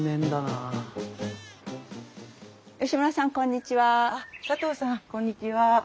あっ佐藤さんこんにちは。